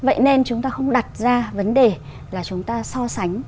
vậy nên chúng ta không đặt ra vấn đề là chúng ta so sánh